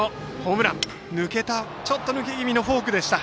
ちょっと抜け気味のフォークでした。